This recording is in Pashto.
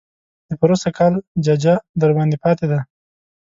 د پروسږ کال ججه درباندې پاتې ده.